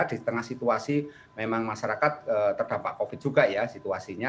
di tengah situasi memang masyarakat terdampak covid juga ya situasinya